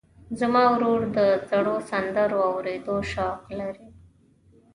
زما ورور د زړو سندرو اورېدو شوق لري.